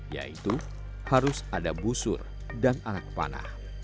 yaitu harus ada busur dan anak panah